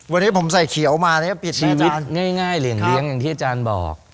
วันนี้ผมใส่เขียวมาปิดชีวิตง่ายเหรียญเลี้ยงอย่างที่อาจารย์บอก